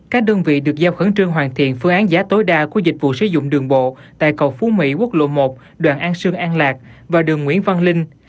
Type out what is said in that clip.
các đơn vị được giao khẩn trương hoàn thiện phương án giá tối đa của dịch vụ sử dụng đường bộ tại cầu phú mỹ quốc lộ một đoàn an sương an lạc và đường nguyễn văn linh